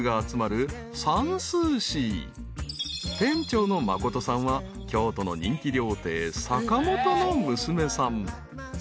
［店長の麻琴さんは京都の人気料亭さか本の娘さん］